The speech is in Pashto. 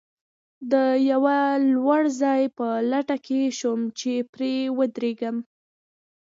د یوه لوړ ځای په لټه کې شوم، چې پرې ودرېږم.